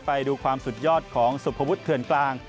ไปดูความสุดยอดของสุภวุฒิเถื่อนกลาง